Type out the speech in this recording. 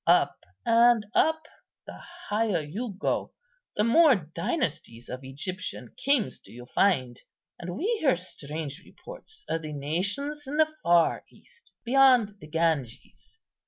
Up and up, the higher you go, the more dynasties of Egyptian kings do you find. And we hear strange reports of the nations in the far east, beyond the Ganges."